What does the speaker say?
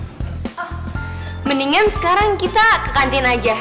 mendingan sekarang kita ke kantin aja